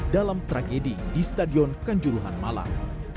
dalam tragedi di stadion kanjuruhan malang